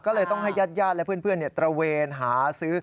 ก็เลยต้องให้ญาติและเพื่อนตระเวนหาซื้อ